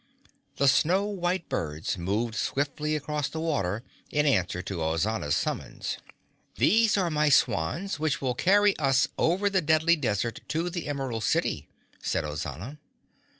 The snow white birds moved swiftly across the water in answer to Ozana's summons. "These are my swans which will carry us over the Deadly Desert to the Emerald City," said Ozana.